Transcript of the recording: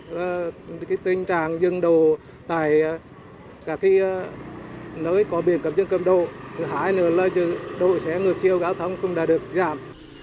cái tình trạng dừng đỗ tại cả khi nơi có biển cầm dừng cầm đỗ hải nữa là dừng đỗ xe ngược chiêu giao thông cũng đã được giảm